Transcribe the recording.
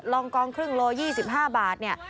ลองกองครึ่งโล๒๕บาทเนี่ย